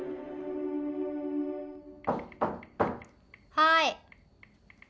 はい。